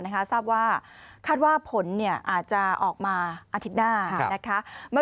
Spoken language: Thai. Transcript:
คาดว่าผลอาจจะออกมาอาทิตย์หน้านะคะ